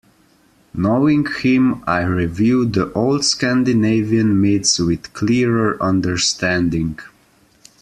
Knowing him, I review the old Scandinavian myths with clearer understanding.